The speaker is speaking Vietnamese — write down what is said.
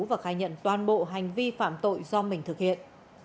và khai nhận toàn bộ hành vi phạm tội do mình thực hiện